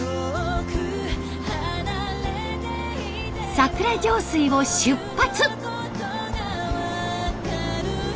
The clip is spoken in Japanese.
桜上水を出発！